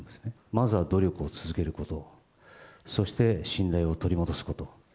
まずは努力を続けること、そして信頼を取り戻すこと。